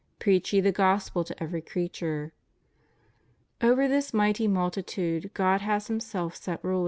Preach ye the Gospel to every creature* Over this mighty multitude God has Himself set ruler?